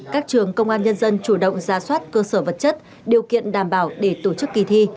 các trường công an nhân dân chủ động ra soát cơ sở vật chất điều kiện đảm bảo để tổ chức kỳ thi